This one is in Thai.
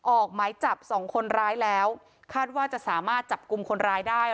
ออกหมายจับสองคนร้ายแล้วคาดว่าจะสามารถจับกลุ่มคนร้ายได้